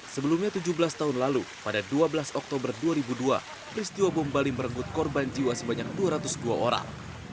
sebelumnya tujuh belas tahun lalu pada dua belas oktober dua ribu dua peristiwa bom bali merenggut korban jiwa sebanyak dua ratus dua orang